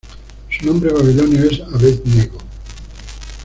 Su nombre babilonio es "Abed-nego".